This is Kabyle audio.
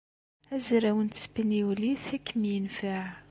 Azraw n tespenyulit ad kem-yenfeɛ.